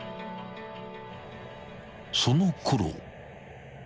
［そのころ］